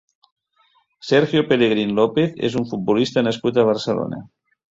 Sergio Pelegrín López és un futbolista nascut a Barcelona.